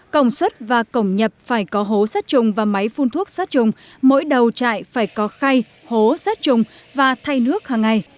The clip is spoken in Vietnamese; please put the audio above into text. công suất và cổng nhập phải có hố sát trùng và máy phun thuốc sát trùng mỗi đầu chạy phải có khay hố sát trùng và thay nước hàng ngày